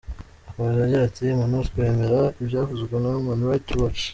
Akomeza agira ati:«Monusco yemera ibyavuzwe na Human Rights Watch.